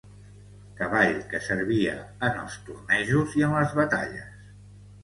Cavall que servia en els tornejos i en les batalles